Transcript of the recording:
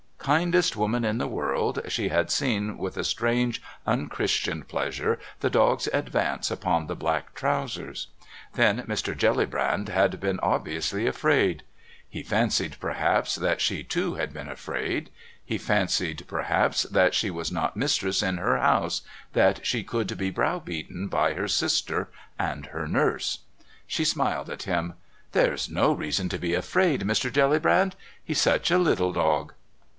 Kindest woman in the world, she had seen with a strange un Christian pleasure the dog's advance upon the black trousers. Then Mr. Jellybrand had been obviously afraid. He fancied, perhaps, that she too had been afraid. He fancied, perhaps, that she was not mistress in her house, that she could be browbeaten by her sister and her nurse. She smiled at him. "There's no reason to be afraid, Mr. Jellybrand. ... He's such a little dog."